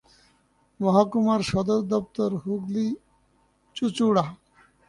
মহকুমার সদর দপ্তর হুগলি-চুঁচুড়া।